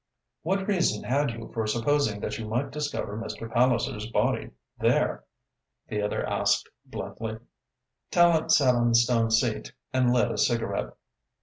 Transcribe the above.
"What reason had you for supposing that you might discover Mr. Palliser's body there?" the other asked bluntly. Tallente sat on the stone seat and lit a cigarette.